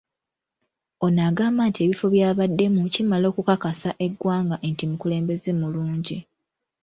Ono agamba nti ebifo by’abaddemu kimala okukakasa eggwanga nti mukulembeze mulungi.